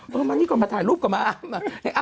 บอกว่ามานี่ก่อนมาถ่ายรูปกลับมาอ้ำ